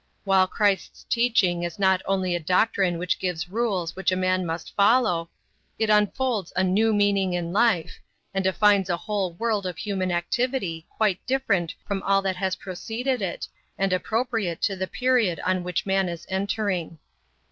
While Christ's teaching is not only a doctrine which gives rules which a man must follow, it unfolds a new meaning in life, and defines a whole world of human activity quite different from all that has preceded it and appropriate to the period on which man is entering.